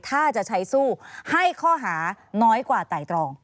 ถ้าจะใช้สู้ให้ข้อหาน้อยกว่าไต่ตรอง